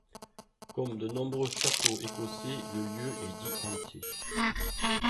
Comme de nombreux châteaux écossais, le lieu est dit hanté.